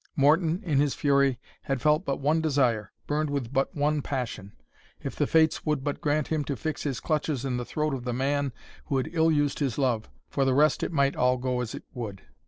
Morton in his fury had felt but one desire, burned with but one passion. If the Fates would but grant him to fix his clutches in the throat of the man who had ill used his love; for the rest it might all go as it would.